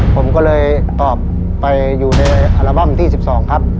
ผมก็เลยตอบไปอยู่ในอัลบั้มที่๑๒ครับ